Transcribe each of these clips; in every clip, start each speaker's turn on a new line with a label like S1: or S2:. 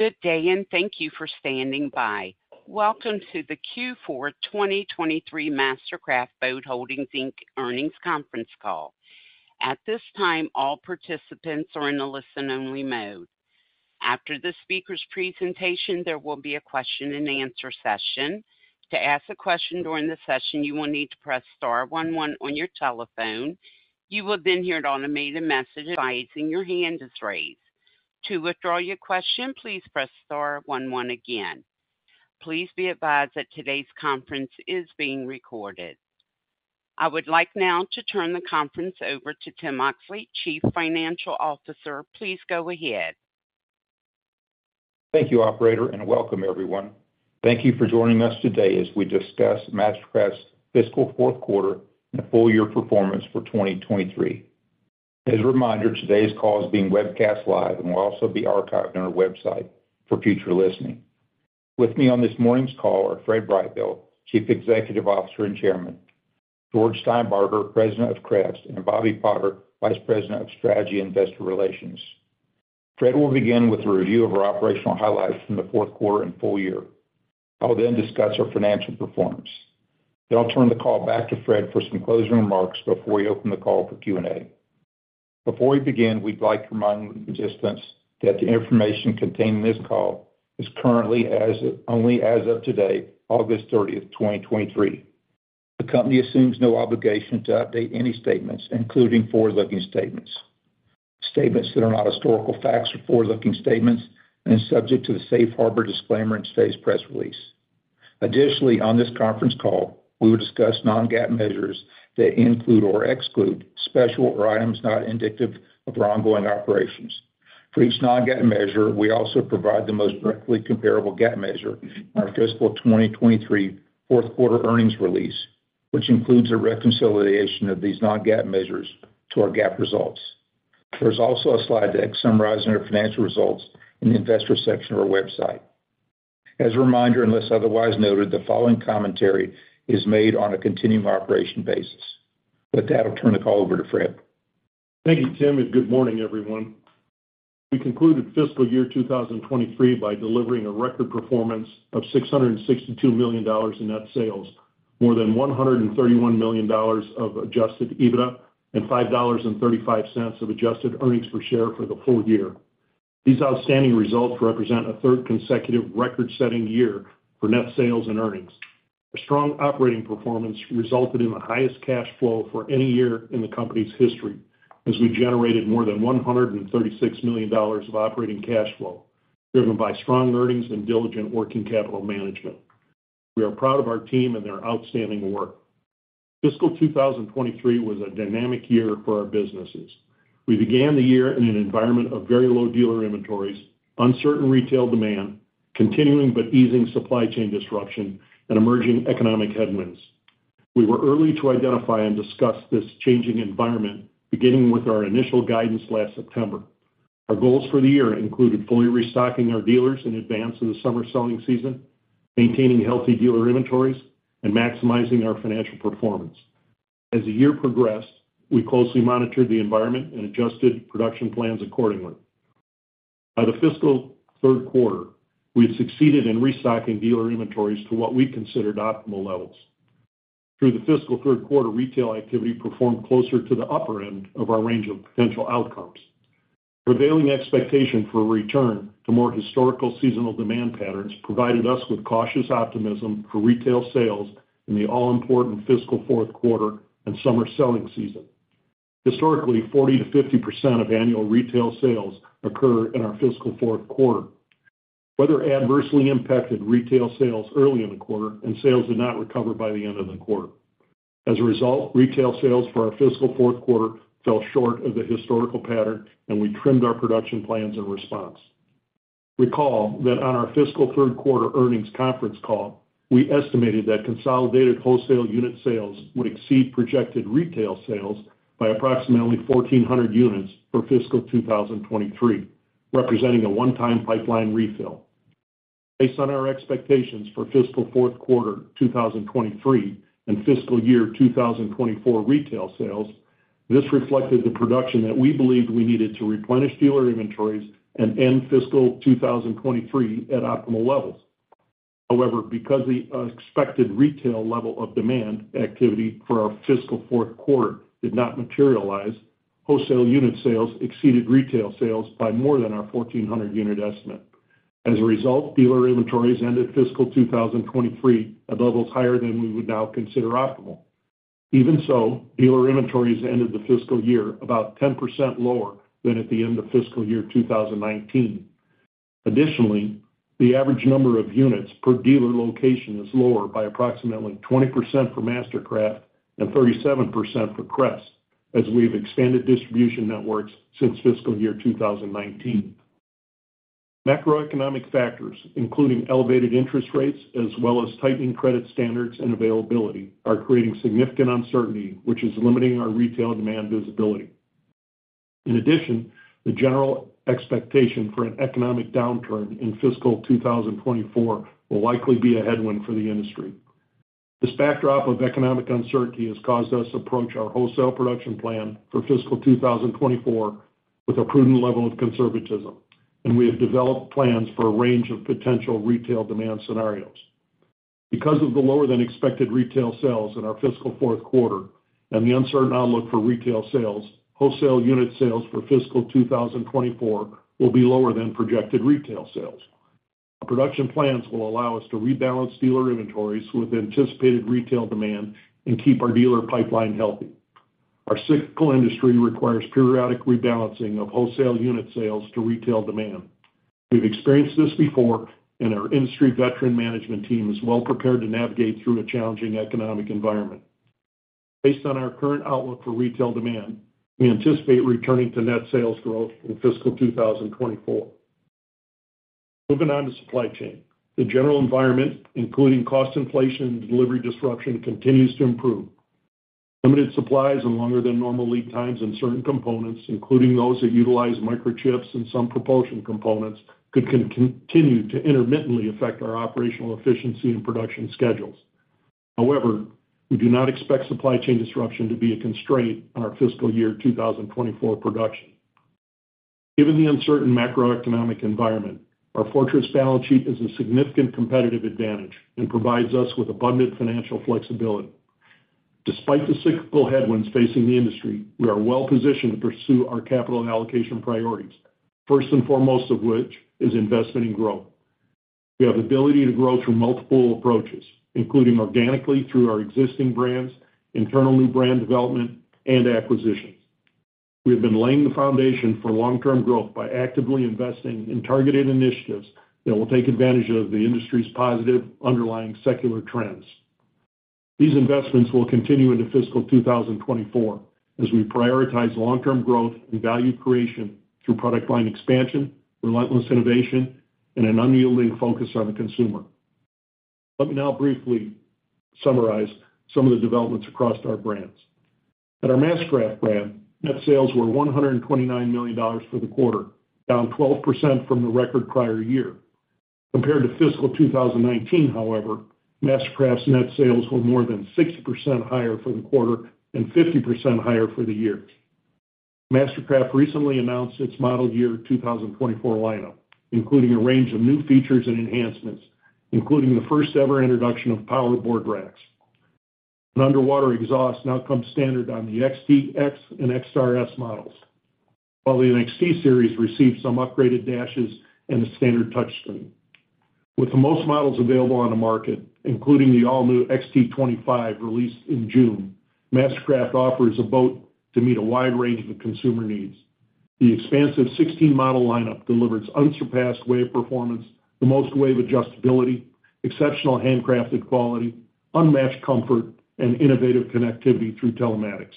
S1: Good day, and thank you for standing by. Welcome to the Q4 2023 MasterCraft Boat Holdings, Inc. Earnings Conference Call. At this time, all participants are in a listen-only mode. After the speaker's presentation, there will be a question-and-answer session. T o ask a question during the session, you will need to press star one one on your telephone. You will then hear an automated message advising your hand is raised. To withdraw your question, please press star one one again. Please be advised that today's conference is being recorded. I would like now to turn the conference over to Tim Oxley, Chief Financial Officer. Please go ahead.
S2: Thank you, operator, and welcome everyone. Thank you for joining us today as we discuss MasterCraft's fiscal fourth quarter and full year performance for 2023. As a reminder, today's call is being webcast live and will also be archived on our website for future listening. With me on this morning's call are Fred Brightbill, Chief Executive Officer and Chairman, George Steinbarger, President of Crest, and Bobby Potter, Vice President of Strategy and Investor Relations. Fred will begin with a review of our operational highlights from the fourth quarter and full year. I will then discuss our financial performance, then I'll turn the call back to Fred for some closing remarks before we open the call for Q&A. Before we begin, we'd like to remind participants that the information contained in this call is current only as of today, August 30th, 2023. The company assumes no obligation to update any statements, including forward-looking statements. Statements that are not historical facts or forward-looking statements, and are subject to the safe harbor disclaimer in today's press release. Additionally, on this conference call, we will discuss non-GAAP measures that include or exclude special or items not indicative of our ongoing operations. For each non-GAAP measure, we also provide the most directly comparable GAAP measure in our fiscal 2023 fourth quarter earnings release, which includes a reconciliation of these non-GAAP measures to our GAAP results. There's also a slide deck summarizing our financial results in the investor section of our website. As a reminder, unless otherwise noted, the following commentary is made on a continuing operation basis. With that, I'll turn the call over to Fred.
S3: Thank you, Tim, and good morning, everyone. We concluded fiscal year 2023 by delivering a record performance of $662 million in net sales, more than $131 million of Adjusted EBITDA, and $5.35 of adjusted earnings per share for the full year. These outstanding results represent a third consecutive record-setting year for net sales and earnings. A strong operating performance resulted in the highest cash flow for any year in the company's history, as we generated more than $136 million of operating cash flow, driven by strong earnings and diligent working capital management. We are proud of our team and their outstanding work. Fiscal 2023 was a dynamic year for our businesses. We began the year in an environment of very low dealer inventories, uncertain retail demand, continuing but easing supply chain disruption, and emerging economic headwinds. We were early to identify and discuss this changing environment, beginning with our initial guidance last September. Our goals for the year included fully restocking our dealers in advance of the summer selling season, maintaining healthy dealer inventories, and maximizing our financial performance. As the year progressed, we closely monitored the environment and adjusted production plans accordingly. By the fiscal third quarter, we had succeeded in restocking dealer inventories to what we considered optimal levels. Through the fiscal third quarter, retail activity performed closer to the upper end of our range of potential outcomes. Prevailing expectation for a return to more historical seasonal demand patterns provided us with cautious optimism for retail sales in the all-important fiscal fourth quarter and summer selling season. Historically, 40%-50% of annual retail sales occur in our fiscal fourth quarter. Weather adversely impacted retail sales early in the quarter, and sales did not recover by the end of the quarter. As a result, retail sales for our fiscal fourth quarter fell short of the historical pattern, and we trimmed our production plans in response. Recall that on our fiscal third quarter earnings conference call, we estimated that consolidated wholesale unit sales would exceed projected retail sales by approximately 1,400 units for fiscal 2023, representing a one-time pipeline refill. Based on our expectations for fiscal fourth quarter 2023 and fiscal year 2024 retail sales, this reflected the production that we believed we needed to replenish dealer inventories and end fiscal 2023 at optimal levels. However, because the expected retail level of demand activity for our fiscal fourth quarter did not materialize, wholesale unit sales exceeded retail sales by more than our 1,400 unit estimate. As a result, dealer inventories ended fiscal 2023 at levels higher than we would now consider optimal. Even so, dealer inventories ended the fiscal year about 10% lower than at the end of fiscal year 2019. Additionally, the average number of units per dealer location is lower by approximately 20% for MasterCraft and 37% for Crest, as we've expanded distribution networks since fiscal year 2019. Macroeconomic factors, including elevated interest rates as well as tightening credit standards and availability, are creating significant uncertainty, which is limiting our retail demand visibility. In addition, the general expectation for an economic downturn in fiscal 2024 will likely be a headwind for the industry... This backdrop of economic uncertainty has caused us to approach our wholesale production plan for fiscal 2024 with a prudent level of conservatism, and we have developed plans for a range of potential retail demand scenarios. Because of the lower-than-expected retail sales in our fiscal fourth quarter and the uncertain outlook for retail sales, wholesale unit sales for fiscal 2024 will be lower than projected retail sales. Our production plans will allow us to rebalance dealer inventories with anticipated retail demand and keep our dealer pipeline healthy. Our cyclical industry requires periodic rebalancing of wholesale unit sales to retail demand. We've experienced this before, and our industry veteran management team is well-prepared to navigate through a challenging economic environment. Based on our current outlook for retail demand, we anticipate returning to net sales growth in fiscal 2024. Moving on to supply chain. The general environment, including cost inflation and delivery disruption, continues to improve. Limited supplies and longer than normal lead times in certain components, including those that utilize microchips and some propulsion components, could continue to intermittently affect our operational efficiency and production schedules. However, we do not expect supply chain disruption to be a constraint on our fiscal year 2024 production. Given the uncertain macroeconomic environment, our fortress balance sheet is a significant competitive advantage and provides us with abundant financial flexibility. Despite the cyclical headwinds facing the industry, we are well-positioned to pursue our capital and allocation priorities, first and foremost of which is investment in growth. We have the ability to grow through multiple approaches, including organically through our existing brands, internal new brand development, and acquisitions. We have been laying the foundation for long-term growth by actively investing in targeted initiatives that will take advantage of the industry's positive underlying secular trends. These investments will continue into fiscal 2024 as we prioritize long-term growth and value creation through product line expansion, relentless innovation, and an unyielding focus on the consumer. Let me now briefly summarize some of the developments across our brands. At our MasterCraft brand, net sales were $129 million for the quarter, down 12% from the record prior year. Compared to fiscal 2019, however, MasterCraft's net sales were more than 60% higher for the quarter and 50% higher for the year. MasterCraft recently announced its model year 2024 lineup, including a range of new features and enhancements, including the first-ever introduction of powered board racks. An underwater exhaust now comes standard on the X, XT and XStar models, while the XT series received some upgraded dashes and a standard touchscreen. With the most models available on the market, including the all-new XT25 released in June, MasterCraft offers a boat to meet a wide range of consumer needs. The expansive 16-model lineup delivers unsurpassed wave performance, the most wave adjustability, exceptional handcrafted quality, unmatched comfort, and innovative connectivity through telematics.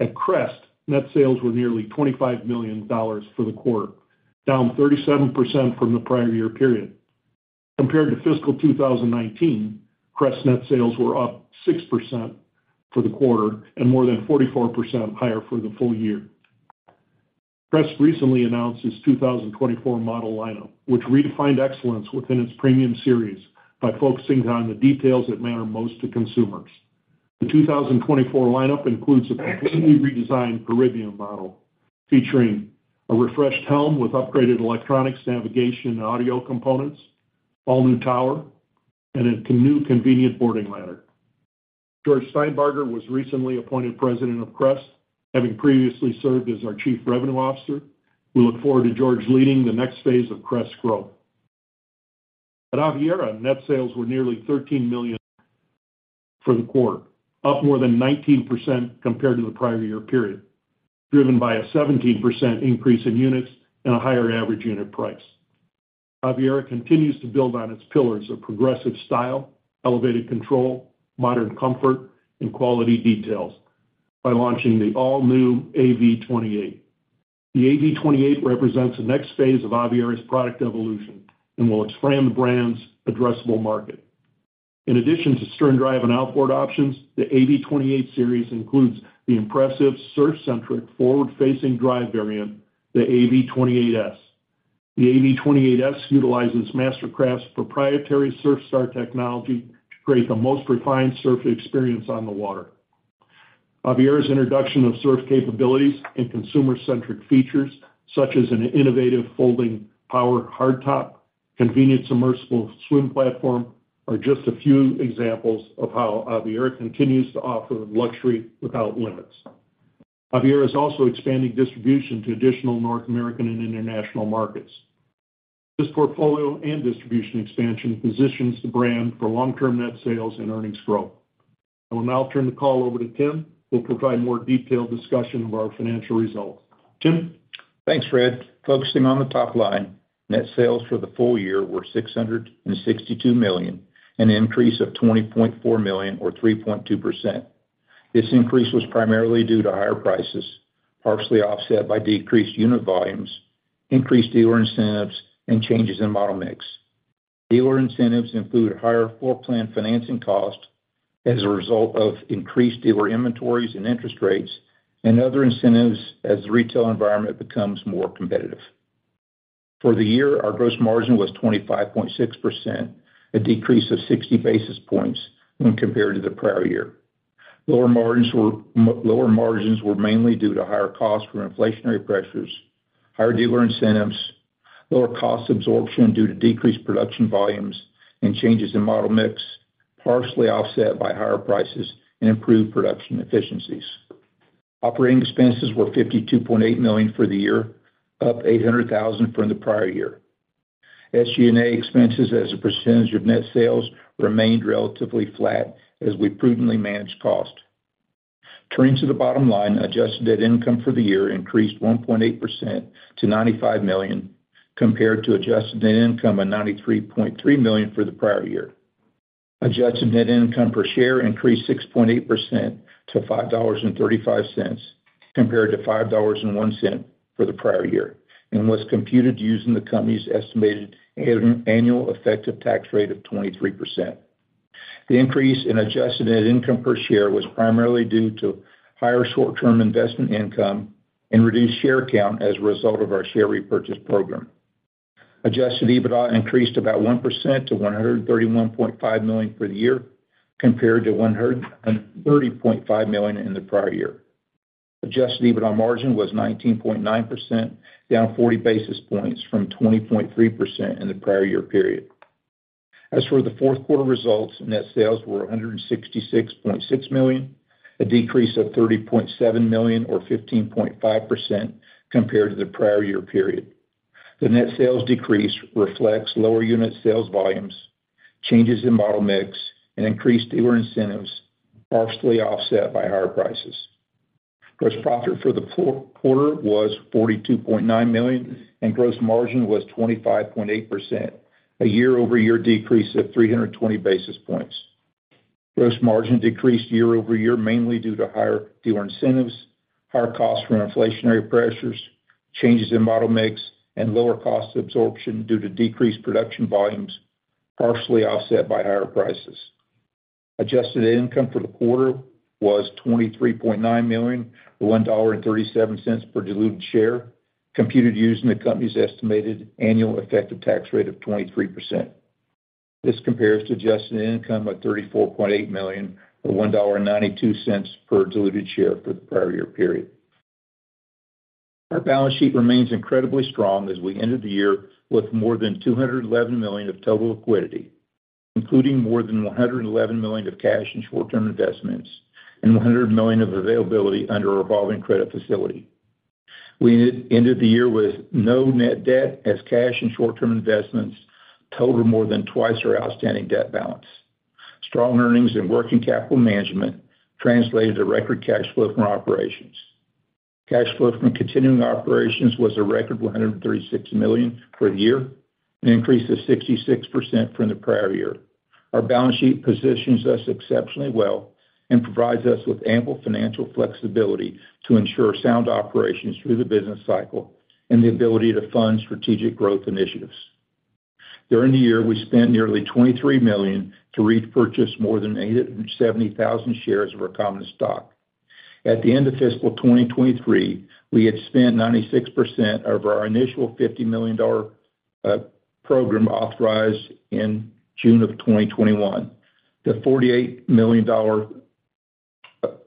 S3: At Crest, net sales were nearly $25 million for the quarter, down 37% from the prior year period. Compared to fiscal 2019, Crest net sales were up 6% for the quarter and more than 44% higher for the full year. Crest recently announced its 2024 model lineup, which redefined excellence within its premium series by focusing on the details that matter most to consumers. The 2024 lineup includes a completely redesigned Caribbean model, featuring a refreshed helm with upgraded electronics, navigation, and audio components, all-new tower, and a new convenient boarding ladder. George Steinbarger was recently appointed President of Crest, having previously served as our Chief Revenue Officer. We look forward to George leading the next phase of Crest's growth. At Aviara, net sales were nearly $13 million for the quarter, up more than 19% compared to the prior year period, driven by a 17% increase in units and a higher average unit price. Aviara continues to build on its pillars of progressive style, elevated control, modern comfort, and quality details by launching the all-new AV28. The AV28 represents the next phase of Aviara's product evolution and will expand the brand's addressable market. In addition to sterndrive and outboard options, the AV28 series includes the impressive surf-centric, forward-facing drive variant, the AV28S. The AV28S utilizes MasterCraft's proprietary SurfStar technology to create the most refined surf experience on the water. Aviara's introduction of surf capabilities and consumer-centric features, such as an innovative folding power hard top, convenient submersible swim platform, are just a few examples of how Aviara continues to offer luxury without limits. Aviara is also expanding distribution to additional North American and international markets. This portfolio and distribution expansion positions the brand for long-term net sales and earnings growth. I will now turn the call over to Tim, who will provide more detailed discussion of our financial results. Tim?
S2: Thanks, Fred. Focusing on the top line, net sales for the full year were $662 million, an increase of $20.4 million, or 3.2%. This increase was primarily due to higher prices, partially offset by decreased unit volumes, increased dealer incentives, and changes in model mix. Dealer incentives include higher floorplan financing costs as a result of increased dealer inventories and interest rates, and other incentives as the retail environment becomes more competitive.... For the year, our gross margin was 25.6%, a decrease of 60 basis points when compared to the prior year. Lower margins were mainly due to higher costs from inflationary pressures, higher dealer incentives, lower cost absorption due to decreased production volumes, and changes in model mix, partially offset by higher prices and improved production efficiencies. Operating expenses were $52.8 million for the year, up $800,000 from the prior year. SG&A expenses as a percentage of net sales remained relatively flat as we prudently managed cost. Turning to the bottom line, adjusted net income for the year increased 1.8% to $95 million, compared to adjusted net income of $93.3 million for the prior year. Adjusted net income per share increased 6.8% to $5.35, compared to $5.01 for the prior year, and was computed using the company's estimated annual effective tax rate of 23%. The increase in adjusted net income per share was primarily due to higher short-term investment income and reduced share count as a result of our share repurchase program. Adjusted EBITDA increased about 1% to $131.5 million for the year, compared to $130.5 million in the prior year. Adjusted EBITDA margin was 19.9%, down 40 basis points from 20.3% in the prior year period. As for the fourth quarter results, net sales were $166.6 million, a decrease of $30.7 million, or 15.5%, compared to the prior year period. The net sales decrease reflects lower unit sales volumes, changes in model mix, and increased dealer incentives, partially offset by higher prices. Gross profit for the fourth quarter was $42.9 million, and gross margin was 25.8%, a year-over-year decrease of 320 basis points. Gross margin decreased year-over-year, mainly due to higher dealer incentives, higher costs from inflationary pressures, changes in model mix, and lower cost absorption due to decreased production volumes, partially offset by higher prices. Adjusted net income for the quarter was $23.9 million, or $1.37 per diluted share, computed using the company's estimated annual effective tax rate of 23%. This compares to adjusted net income of $34.8 million, or $1.92 per diluted share for the prior year period. Our balance sheet remains incredibly strong as we ended the year with more than $211 million of total liquidity, including more than $111 million of cash and short-term investments, and $100 million of availability under a revolving credit facility. We ended the year with no net debt, as cash and short-term investments total more than twice our outstanding debt balance. Strong earnings and working capital management translated to record cash flow from operations. Cash flow from continuing operations was a record $136 million for the year, an increase of 66% from the prior year. Our balance sheet positions us exceptionally well and provides us with ample financial flexibility to ensure sound operations through the business cycle and the ability to fund strategic growth initiatives. During the year, we spent nearly $23 million to repurchase more than 87,000 shares of our common stock. At the end of fiscal 2023, we had spent 96% of our initial $50 million program authorized in June of 2021.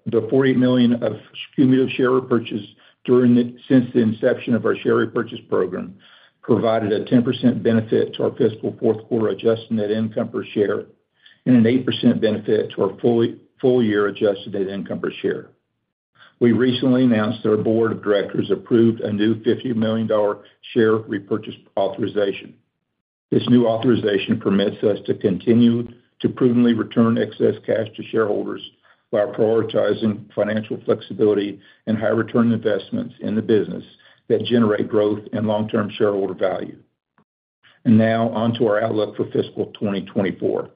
S2: The $48 million of cumulative share repurchase since the inception of our share repurchase program provided a 10% benefit to our fiscal fourth quarter adjusted net income per share, and an 8% benefit to our full year adjusted net income per share. We recently announced that our board of directors approved a new $50 million share repurchase authorization. This new authorization permits us to continue to prudently return excess cash to shareholders while prioritizing financial flexibility and high return on investments in the business that generate growth and long-term shareholder value. And now, on to our outlook for fiscal 2024.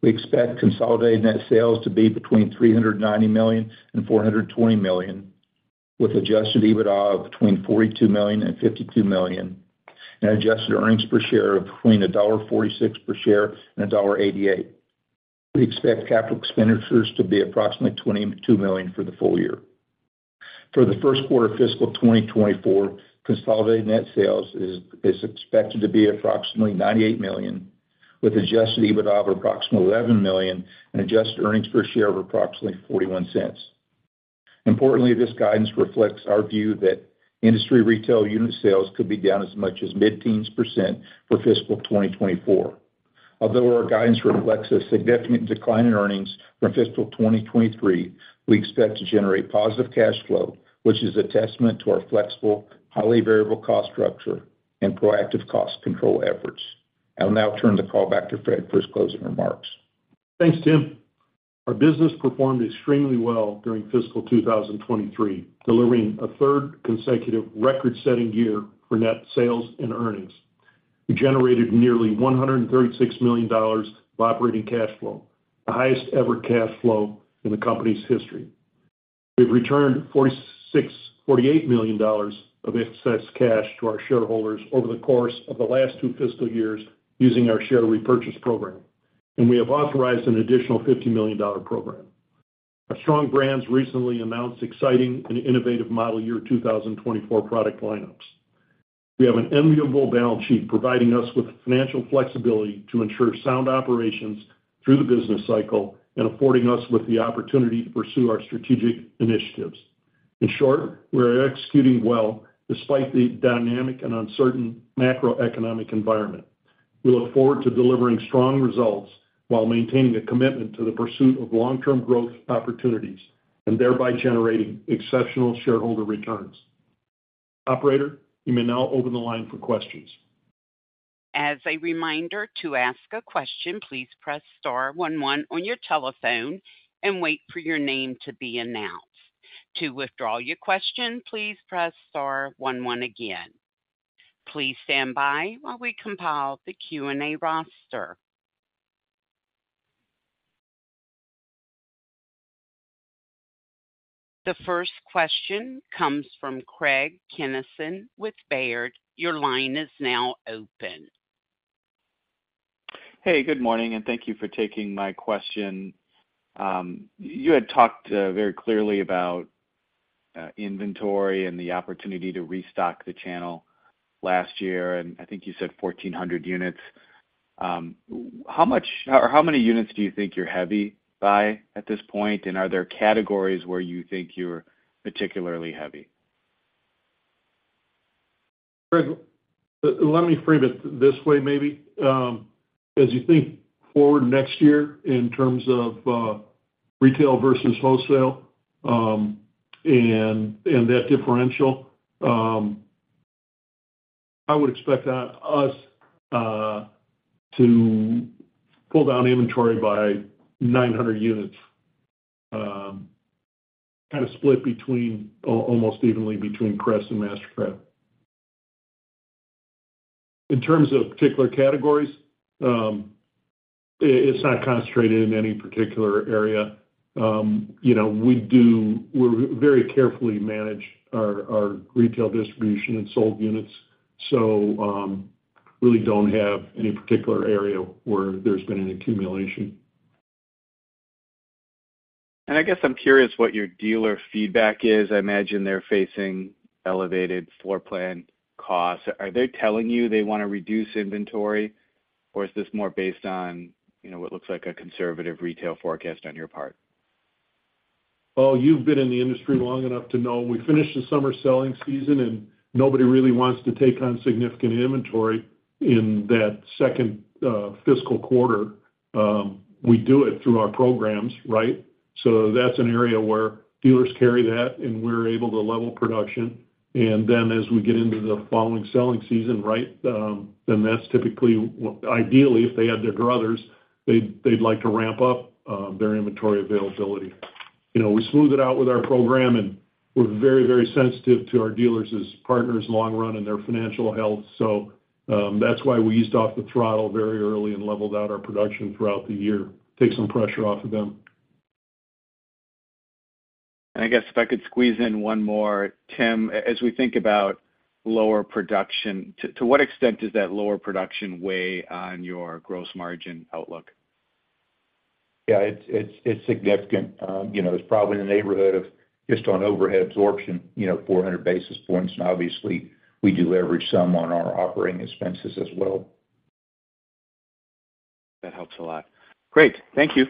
S2: We expect consolidated net sales to be between $390 million and $420 million, with Adjusted EBITDA of between $42 million and $52 million, and adjusted earnings per share of between $1.46 per share and $1.88. We expect capital expenditures to be approximately $22 million for the full year. For the first quarter of fiscal 2024, consolidated net sales is expected to be approximately $98 million, with Adjusted EBITDA of approximately $11 million and adjusted earnings per share of approximately $0.41. Importantly, this guidance reflects our view that industry retail unit sales could be down as much as mid-teens% for fiscal 2024. Although our guidance reflects a significant decline in earnings from fiscal 2023, we expect to generate positive cash flow, which is a testament to our flexible, highly variable cost structure and proactive cost control efforts. I'll now turn the call back to Fred for his closing remarks.
S3: Thanks, Tim. Our business performed extremely well during fiscal 2023, delivering a third consecutive record-setting year for net sales and earnings. We generated nearly $136 million of operating cash flow, the highest ever cash flow in the company's history. We've returned $48 million of excess cash to our shareholders over the course of the last two fiscal years using our share repurchase program, and we have authorized an additional $50 million program. Our strong brands recently announced exciting and innovative model year 2024 product lineups. We have an enviable balance sheet, providing us with financial flexibility to ensure sound operations through the business cycle and affording us with the opportunity to pursue our strategic initiatives. In short, we are executing well despite the dynamic and uncertain macroeconomic environment. We look forward to delivering strong results while maintaining a commitment to the pursuit of long-term growth opportunities, and thereby generating exceptional shareholder returns. Operator, you may now open the line for questions.
S1: As a reminder, to ask a question, please press star one one on your telephone and wait for your name to be announced. To withdraw your question, please press star one one again. Please stand by while we compile the Q&A roster. The first question comes from Craig Kennison with Baird. Your line is now open.
S4: Hey, good morning, and thank you for taking my question. You had talked very clearly about inventory and the opportunity to restock the channel last year, and I think you said 1,400 units. How much or how many units do you think you're heavy by at this point? And are there categories where you think you're particularly heavy?
S3: Craig, let me frame it this way, maybe. As you think forward next year in terms of, retail versus wholesale, and that differential, I would expect us to pull down inventory by 900 units, kind of split between—almost evenly between Crest and MasterCraft. In terms of particular categories, it's not concentrated in any particular area. You know, we very carefully manage our retail distribution and sold units, so, really don't have any particular area where there's been an accumulation.
S4: I guess I'm curious what your dealer feedback is. I imagine they're facing elevated floor plan costs. Are they telling you they want to reduce inventory, or is this more based on, you know, what looks like a conservative retail forecast on your part?
S3: Well, you've been in the industry long enough to know we finished the summer selling season, and nobody really wants to take on significant inventory in that second fiscal quarter. We do it through our programs, right? So that's an area where dealers carry that, and we're able to level production. And then as we get into the following selling season, right, then that's typically, ideally, if they had their druthers, they'd like to ramp up their inventory availability. You know, we smooth it out with our program, and we're very, very sensitive to our dealers as partners long run and their financial health. So, that's why we eased off the throttle very early and leveled out our production throughout the year, take some pressure off of them.
S4: I guess if I could squeeze in one more. Tim, as we think about lower production, to what extent does that lower production weigh on your gross margin outlook?
S2: Yeah, it's significant. You know, it's probably in the neighborhood of just on overhead absorption, you know, 400 basis points, and obviously, we do leverage some on our operating expenses as well.
S4: That helps a lot. Great. Thank you.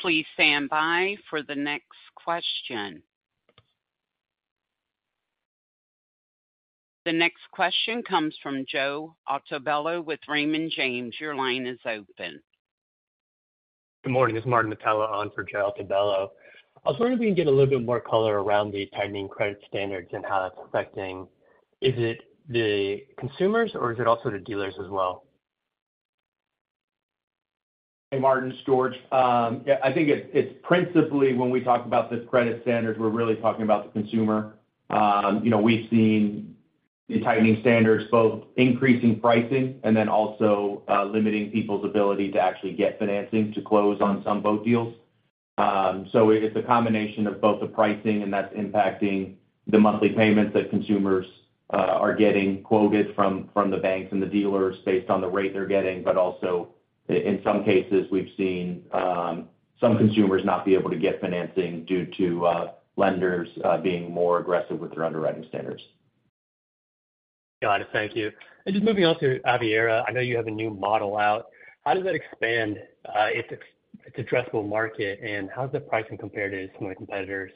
S1: Please stand by for the next question. The next question comes from Joe Altobello with Raymond James. Your line is open.
S5: Good morning. This is Martin Mitela on for Joe Altobello. I was wondering if we could get a little bit more color around the tightening credit standards and how that's affecting... Is it the consumers, or is it also the dealers as well?
S6: Hey, Martin, it's George. Yeah, I think it's principally when we talk about the credit standards, we're really talking about the consumer. You know, we've seen the tightening standards both increasing pricing and then also limiting people's ability to actually get financing to close on some boat deals. So it's a combination of both the pricing, and that's impacting the monthly payments that consumers are getting quoted from the banks and the dealers based on the rate they're getting. But also, in some cases, we've seen some consumers not be able to get financing due to lenders being more aggressive with their underwriting standards.
S5: Got it. Thank you. Just moving on to Aviara, I know you have a new model out. How does that expand its addressable market, and how does the pricing compare to some of the competitors?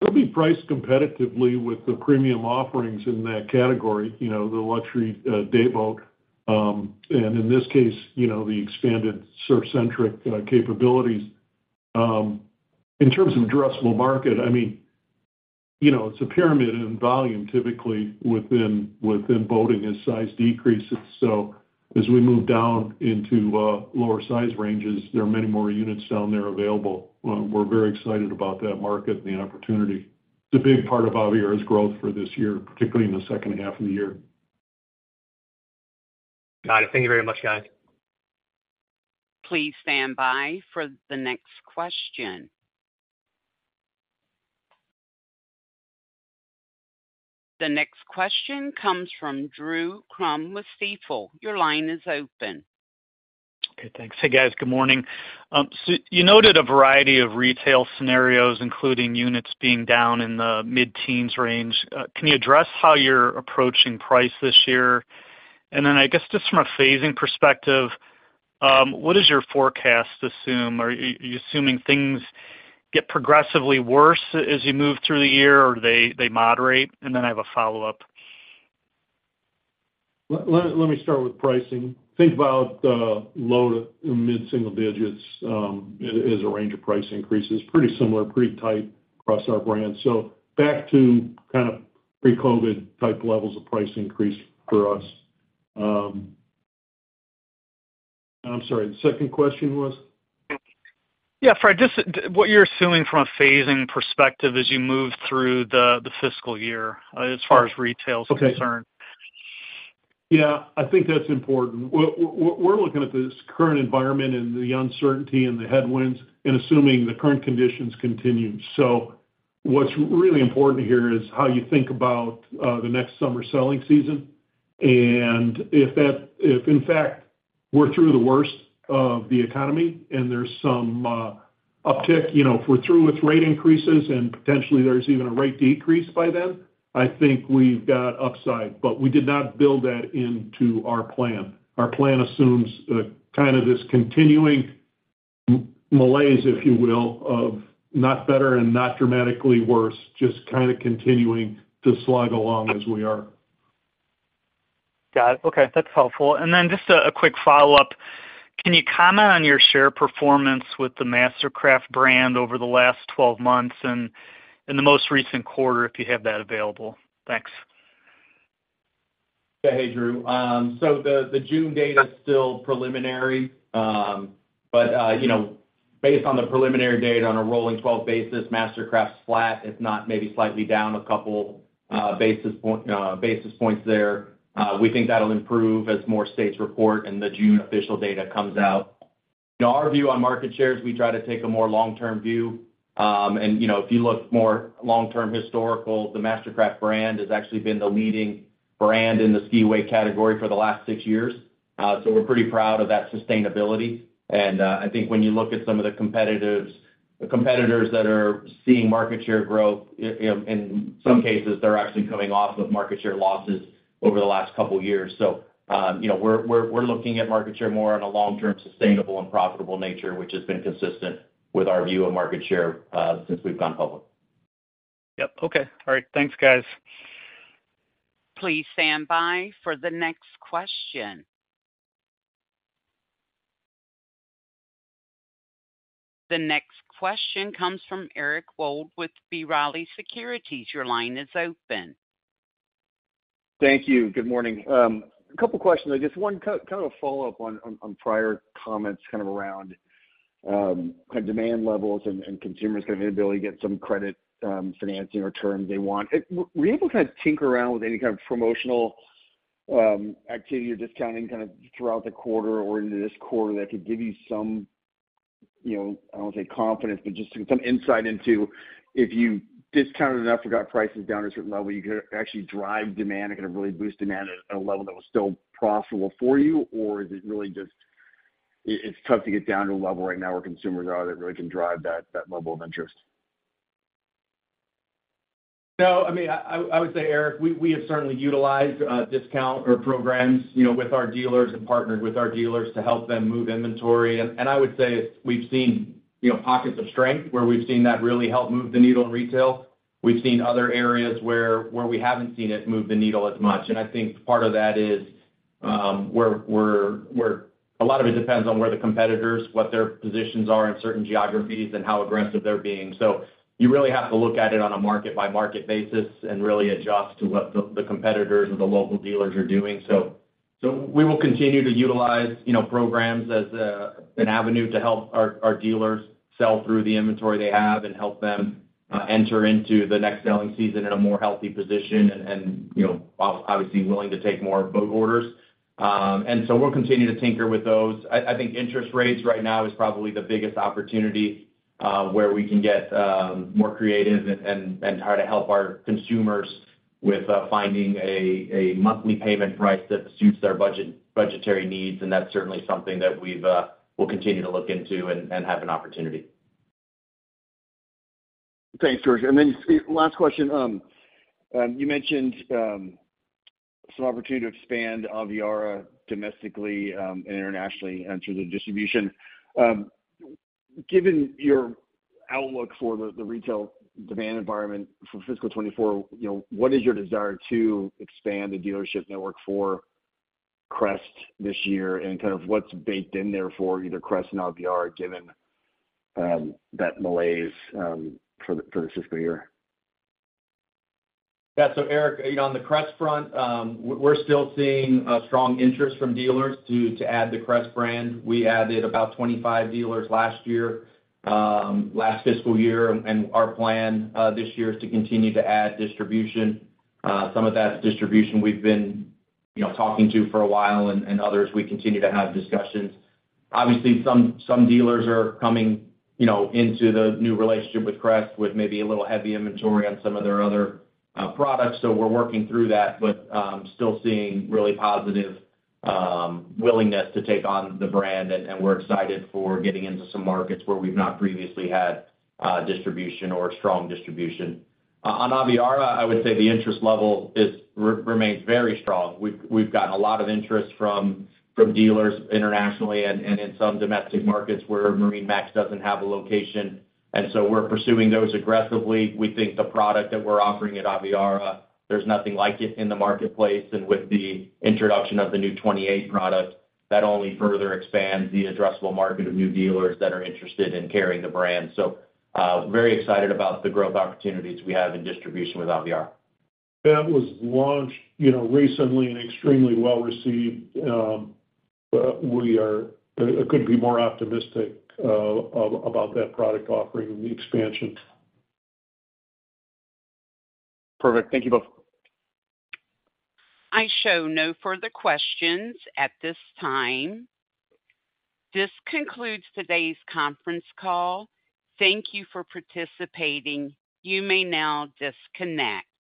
S3: It'll be priced competitively with the premium offerings in that category, you know, the luxury, day boat. And in this case, you know, the expanded surf-centric, capabilities. In terms of addressable market, I mean, you know, it's a pyramid in volume, typically within boating, as size decreases. So as we move down into, lower size ranges, there are many more units down there available. We're very excited about that market and the opportunity. It's a big part of Aviara's growth for this year, particularly in the second half of the year.
S5: Got it. Thank you very much, guys.
S1: Please stand by for the next question. The next question comes from Drew Crum with Stifel. Your line is open.
S7: Okay, thanks. Hey, guys, good morning. So you noted a variety of retail scenarios, including units being down in the mid-teens range. Can you address how you're approaching price this year? And then, I guess, just from a phasing perspective, what does your forecast assume? Are you assuming things get progressively worse as you move through the year, or do they moderate? And then I have a follow-up.
S3: Let me start with pricing. Think about low to mid-single digits as a range of price increases. Pretty similar, pretty tight across our brand. So back to kind of pre-COVID type levels of price increase for us. I'm sorry, the second question was?
S7: Yeah, Fred, just what you're assuming from a phasing perspective as you move through the fiscal year, as far as retail is concerned.
S3: Okay. Yeah, I think that's important. We're looking at this current environment and the uncertainty and the headwinds and assuming the current conditions continue. So what's really important here is how you think about the next summer selling season. And if that, if in fact, we're through the worst of the economy and there's some uptick, you know, if we're through with rate increases and potentially there's even a rate decrease by then, I think we've got upside. But we did not build that into our plan. Our plan assumes kind of this continuing malaise, if you will, of not better and not dramatically worse, just kind of continuing to slog along as we are.
S7: Got it. Okay, that's helpful. Just a quick follow-up. Can you comment on your share performance with the MasterCraft brand over the last 12 months and the most recent quarter, if you have that available? Thanks.
S6: Yeah. Hey, Drew. So the June data is still preliminary. But you know, based on the preliminary data on a rolling 12 basis, MasterCraft's flat, if not maybe slightly down a couple basis points there. We think that'll improve as more states report and the June official data comes out. In our view on market shares, we try to take a more long-term view. And you know, if you look more long-term historical, the MasterCraft brand has actually been the leading brand in the ski wake category for the last 6 years. So we're pretty proud of that sustainability. And I think when you look at some of the competitives, the competitors that are seeing market share growth, you know, in some cases, they're actually coming off of market share losses over the last couple of years. You know, we're looking at market share more on a long-term sustainable and profitable nature, which has been consistent with our view of market share, since we've gone public.
S7: Yep. Okay. All right. Thanks, guys.
S1: Please stand by for the next question. The next question comes from Eric Wold with B. Riley Securities. Your line is open.
S8: Thank you. Good morning. A couple questions. I just one kind of a follow-up on prior comments, kind of around kind of demand levels and consumers' inability to get some credit financing or terms they want. Were you able to kind of tinker around with any kind of promotional activity or discounting kind of throughout the quarter or into this quarter that could give you some, you know, I don't want to say confidence, but just some insight into if you discounted enough, or got prices down a certain level, you could actually drive demand and kind of really boost demand at a level that was still profitable for you? Or is it really just it's tough to get down to a level right now where consumers are that really can drive that level of interest?
S6: No, I mean, I would say, Eric, we have certainly utilized discount programs, you know, with our dealers and partnered with our dealers to help them move inventory. And I would say we've seen, you know, pockets of strength, where we've seen that really help move the needle in retail. We've seen other areas where we haven't seen it move the needle as much, and I think part of that is where we're. A lot of it depends on where the competitors, what their positions are in certain geographies and how aggressive they're being. So you really have to look at it on a market-by-market basis and really adjust to what the competitors or the local dealers are doing. So we will continue to utilize, you know, programs as an avenue to help our dealers sell through the inventory they have and help them enter into the next selling season in a more healthy position, and, you know, obviously willing to take more boat orders. And so we'll continue to tinker with those. I think interest rates right now is probably the biggest opportunity where we can get more creative and try to help our consumers with finding a monthly payment price that suits their budgetary needs. And that's certainly something that we've we'll continue to look into and have an opportunity.
S8: Thanks, George. And then last question. You mentioned some opportunity to expand Aviara domestically and internationally into the distribution. Given your outlook for the retail demand environment for fiscal 2024, you know, what is your desire to expand the dealership network for Crest this year? And kind of what's baked in there for either Crest and Aviara, given that malaise for the fiscal year?
S6: Yeah. So, Eric, you know, on the Crest front, we're still seeing a strong interest from dealers to add the Crest brand. We added about 25 dealers last year, last fiscal year, and our plan this year is to continue to add distribution. Some of that distribution we've been, you know, talking to for a while, and others, we continue to have discussions. Obviously, some dealers are coming, you know, into the new relationship with Crest, with maybe a little heavy inventory on some of their other products. So we're working through that, but still seeing really positive willingness to take on the brand. And we're excited for getting into some markets where we've not previously had distribution or strong distribution. On Aviara, I would say the interest level remains very strong. We've gotten a lot of interest from dealers internationally and in some domestic markets where MarineMax doesn't have a location. And so we're pursuing those aggressively. We think the product that we're offering at Aviara, there's nothing like it in the marketplace. And with the introduction of the new 28 product, that only further expands the addressable market of new dealers that are interested in carrying the brand. So, very excited about the growth opportunities we have in distribution with Aviara.
S3: That was launched, you know, recently and extremely well-received. But we couldn't be more optimistic about that product offering and the expansion.
S8: Perfect. Thank you both.
S1: I show no further questions at this time. This concludes today's conference call. Thank you for participating. You may now disconnect.